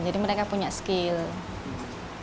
jadi mereka punya skill